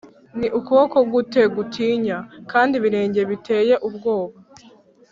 ni ukuboko gute gutinya? kandi ibirenge biteye ubwoba?